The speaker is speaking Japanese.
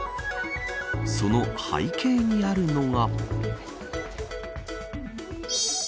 その背景にあるのが。